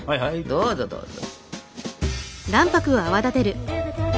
どうぞどうぞ。